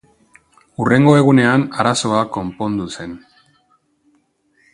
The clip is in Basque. Hurrengo egunean arazoa konpondu zen.